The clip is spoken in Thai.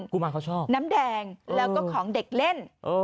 กุมารเขาชอบน้ำแดงแล้วก็ของเด็กเล่น